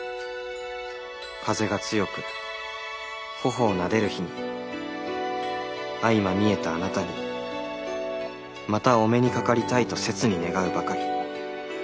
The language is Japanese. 風が強く頬をなでる日に相まみえたあなたにまたお目にかかりたいと切に願うばかり。